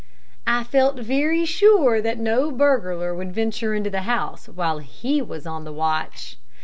I felt very sure that no burglar would venture into the house while he was on the watch.